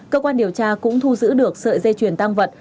cơ quan điều tra cũng thu giữ được sợi dây chuyền tăng vật